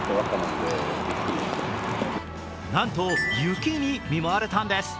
なんと雪に見舞われたんです。